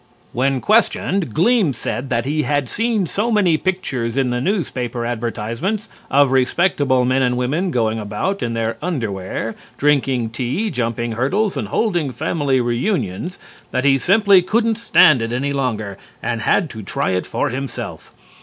When questioned Gleam said that he had seen so many pictures in the newspaper advertisements of respectable men and women going about in their underwear, drinking tea, jumping hurdles and holding family reunions, that he simply couldn't stand it any longer, and had to try it for himself.